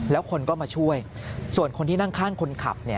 แล้วคนก็มาช่วยส่วนคนที่นั่งข้างคนขับ